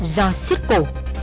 do xích cổ